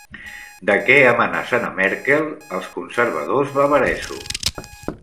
De què amenacen a Merkel els conservadors bavaresos?